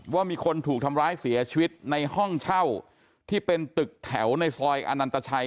ว่ามีคนถูกทำร้ายเสียชีวิตในห้องเช่าที่เป็นตึกแถวในซอยอนันตชัย